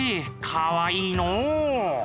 かわいいのう。